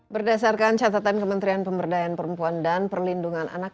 berdasarkan catatan kementerian pemberdayaan perempuan dan perlindungan anak